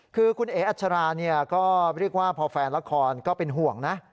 คือคุณเอ๋อัจฉราพอแฟนละครก็เป็นห่วง